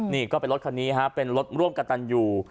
นี่ก็เป็นรถคันนี้ฮะเป็นรถร่วมกับตันอยู่